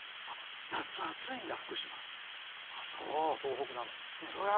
夏、暑いんだ福島は。